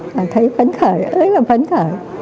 bà thấy phấn khởi rất là phấn khởi